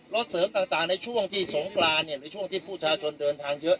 เสริมต่างในช่วงที่สงกรานหรือช่วงที่ประชาชนเดินทางเยอะ